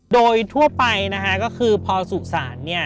โดยทั่วไปก็คือพอสุสาน